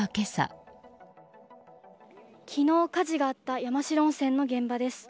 昨日火事があった山代温泉の現場です。